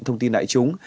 thông tin đại chúng